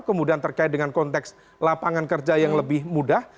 kemudian terkait dengan konteks lapangan kerja yang lebih mudah